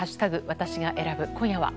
「＃私が選ぶ」今夜は。